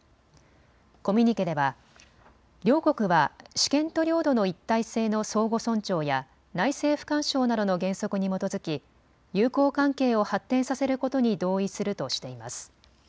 コミュニケでは両国は主権と領土の一体性の相互尊重や内政不干渉などの原則に基づき友好関係を発展させることに同意するとしています。